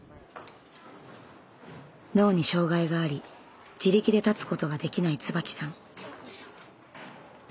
脳に障害があり自力で立つことができない椿さん。